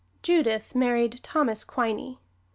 Judith married Thomas Quiney.